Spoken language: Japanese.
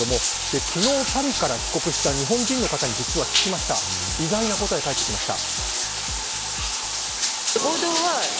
昨日パリから帰国した日本人に聞いたところ意外な答えが返ってきました。